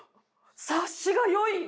察しがよい！